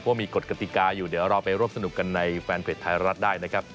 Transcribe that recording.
ว่ามีกฎกติกาอยู่เดี๋ยวเราไปร่วมสนุกกันในแฟนเพจไทยรัฐได้นะครับ